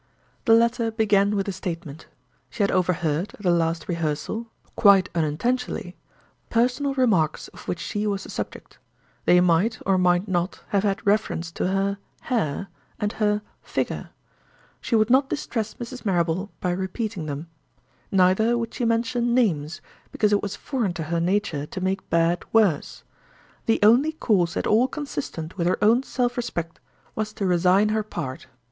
The letter began with a statement: She had overheard, at the last rehearsal (quite unintentionally), personal remarks of which she was the subject. They might, or might not, have had reference to her—Hair; and her—Figure. She would not distress Mrs. Marrable by repeating them. Neither would she mention names, because it was foreign to her nature to make bad worse. The only course at all consistent with her own self respect was to resign her part.